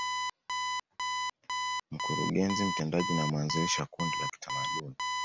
Mkurugenzi Mtendaji na mwanzilishi wa Kundi la kitamaduni